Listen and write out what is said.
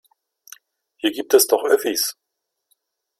Hier gibt es doch Öffis.